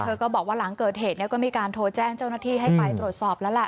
ก็บอกว่าหลังเกิดเหตุก็มีการโทรแจ้งเจ้าหน้าที่ให้ไปตรวจสอบแล้วล่ะ